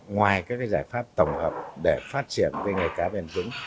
ngoài các giải pháp tổng hợp để phát triển về ngày cá bèn vững